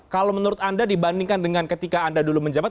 kalau menurut anda dibandingkan dengan ketika anda dulu menjabat